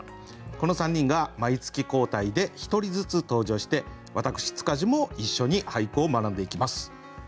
この３人が毎月交代で１人ずつ登場して私塚地も一緒に俳句を学んでいきます。